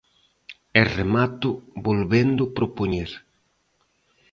E remato volvendo propoñer.